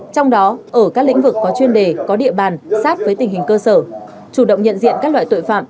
trong đó ở các lĩnh vực có chuyên đề có địa bàn sát với tình hình cơ sở chủ động nhận diện các loại tội phạm